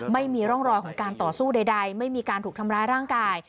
ไม่มีร่องรอยของการต่อสู้ใดไม่มีการถูกทำร้ายร่างกาย